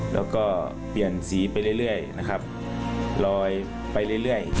แล้วก็เปลี่ยนสีไปเรื่อยนะครับลอยไปเรื่อย